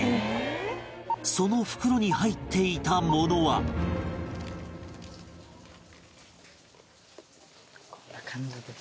その袋に入っていたものはこんな感じです。